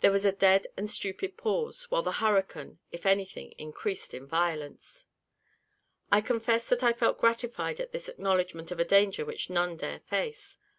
There was a dead and stupid pause, while the hurricane, if any thing, increased in violence. I confess that I felt gratified at this acknowledgment of a danger which none dare face.